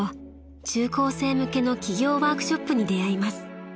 中高生向けの起業ワークショップに出合います］